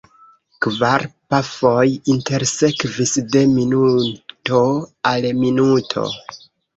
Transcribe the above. Kvar pafoj intersekvis de minuto al minuto.